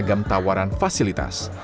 teragam tawaran fasilitas